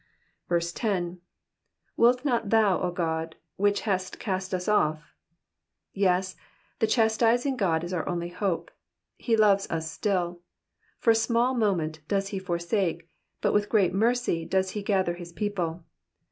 10. " Wilt not thouy 0 Ood, tohich hadst cast us offf " Yes, the chastising God is our only hope. He loves us still. For a small moment doth he forsake, but with great mercy does he gather his people.